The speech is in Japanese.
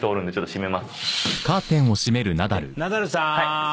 ナダルさーん？